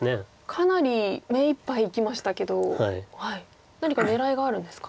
かなり目いっぱいいきましたけど何か狙いがあるんですか。